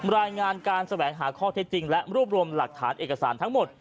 รายงานการแสวงหาข้อเท็จจริงและรวบรวมหลักฐานเอกสารทั้งหมด